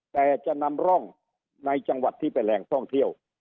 แต่จะนำร่องในจังหวัดที่เป็นแหล่งท่องเที่ยว